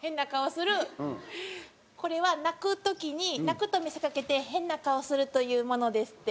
「これは泣く時に泣くと見せかけて変な顔をするというものです」って。